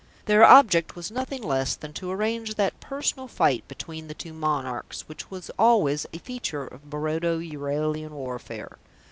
Their object was nothing less than to arrange that personal fight between the two monarchs which was always a feature of Barodo Euralian warfare.